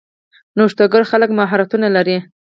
نوښتګر خلک مهارتونه لري.